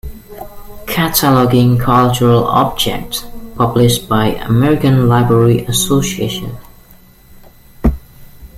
"Cataloging Cultural Objects" published by American Library Association.